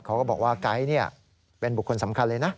เขาก็บอกว่าไก๊เป็นบุคคลสำคัญเลยนะ